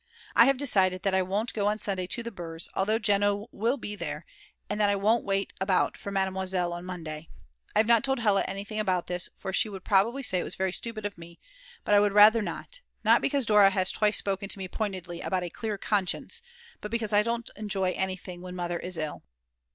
I have decided that I won't go on Sunday to the Brs. although Jeno will be there, and that I won't wait about for Mademoiselle on Monday. I have not told Hella anything about this for she would probably say it was very stupid of me, but I would rather not; not because Dora has twice spoken to me pointedly about a clear conscience, but because I don't enjoy anything when Mother is ill.